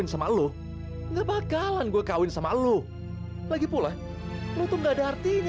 sampai jumpa di video selanjutnya